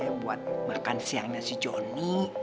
ya buat makan siangnya si jonny